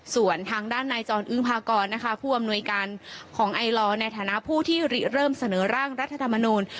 ส่วนทางด้านนายจรอึ้งพากรนะคะผู้อำนวยการของไอลอร์ในฐานะผู้ที่เริ่มเสนอร่างรัฐธรรมนูล